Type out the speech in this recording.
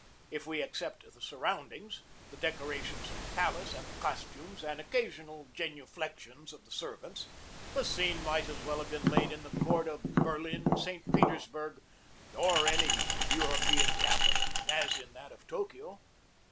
If we except the surroundings, the decorations of the pal ace, and the costumes and occasional genuflections of the servants, the scene might as well have been laid at the court of Berlin, St. Petersburg, or any Eu ropean capital as in that of Tokio.